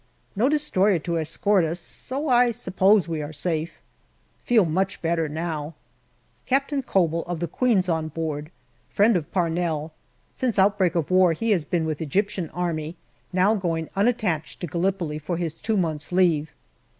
No destroyer to escort us, so I suppose we are safe. Feel much better now. Captain Koebel, of the Queen's, on board ; friend of Parnell. Since outbreak of war he has been with Egyptian Army, now going unattached to Gallipoli for his two months' leave.